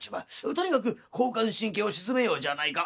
とにかく交感神経を鎮めようじゃないか。